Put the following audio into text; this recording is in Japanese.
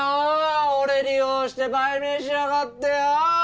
俺利用して売名しやがってよ！